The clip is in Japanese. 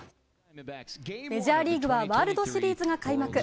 メジャーリーグはワールドシリーズが開幕。